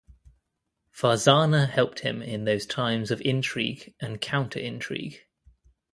Farzana helped him in those times of intrigue and counter-intrigue.